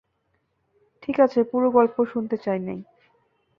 ঠিক আছে, পুরো গল্প শুনতে চাই নাই।